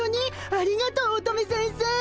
ありがとう乙女先生！